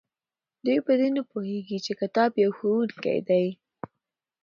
دوی په دې نه پوهیږي چې کتاب یو ښوونکی دی.